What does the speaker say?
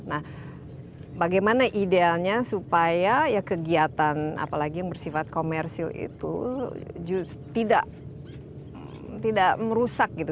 nah bagaimana idealnya supaya kegiatan apalagi yang bersifat komersil itu tidak merusak gitu